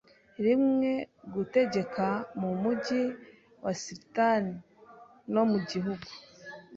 Rimwe gutegeka mumujyi wa Sultan no mugihugu